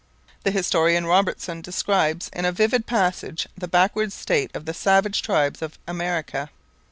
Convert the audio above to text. The historian Robertson describes in a vivid passage the backward state of the savage tribes of America.